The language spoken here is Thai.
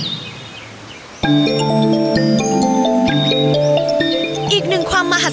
สะพานหินเกิดถึงจากธรรมชาติ